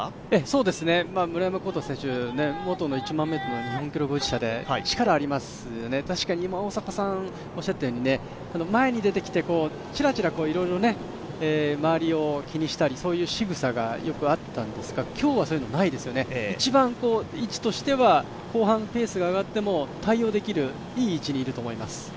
村山紘太選手、元の１００００ｍの日本記録保持者で確かに今、大迫さんがおっしゃったように、前に出てきてちらちらいろいろ周りを気にしたり、そういうしぐさがあったんですが、今日はそういうのがないですよね、一番、位置としては後半ペースが上がっても対応できるいい位置にいると思います。